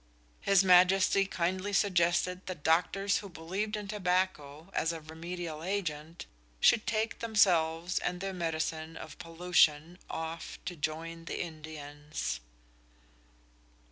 His Majesty kindly suggested that doctors who believed in tobacco as a remedial agent should take themselves and their medicine of pollution off to join the Indians.